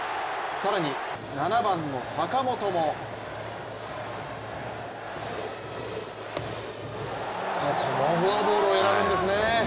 更に７番の坂本も、ここもフォアボールを選ぶんですね。